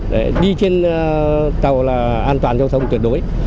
để đi trên tàu là an toàn giao thông tuyệt đối